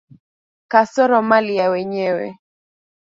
Kasoro mali ya wenyewe.